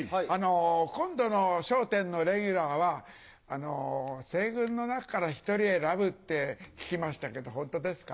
今度の『笑点』のレギュラーは西軍の中から１人選ぶって聞きましたけどホントですか？